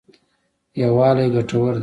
یوالی ګټور دی.